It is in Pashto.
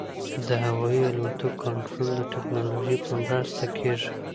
د هوايي الوتکو کنټرول د ټکنالوژۍ په مرسته کېږي.